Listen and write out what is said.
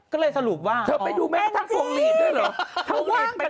ก็เลยสรุปว่าเธอไปดูแม่ทั้งพวงหลีดด้วยเหรอ